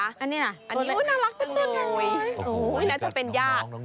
อันนี้นะอันนี้น่ารักจังเลยน่าจะเป็นญาติ